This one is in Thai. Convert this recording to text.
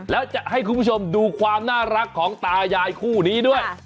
แล้วจะให้คุณผู้ชมดูความน่ารักของตายายคู่นี้ด้วย